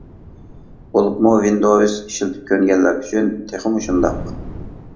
بولۇپمۇ ۋىندوۋس ئىشلىتىپ كۆنگەنلەر ئۈچۈن تېخىمۇ شۇنداق.